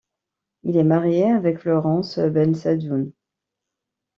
Il est marié avec Florence Ben Sadoun.